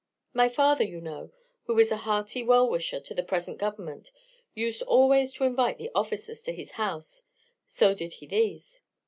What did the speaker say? My father, you know, who is a hearty well wisher to the present government, used always to invite the officers to his house; so did he these.